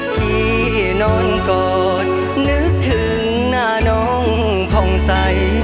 พี่นอนกอดนึกถึงหน้าน้องผ่องใส